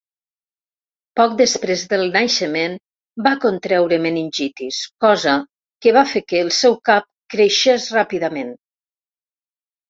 Poc després del naixement va contreure meningitis, cosa que va fer que el seu cap creixés ràpidament.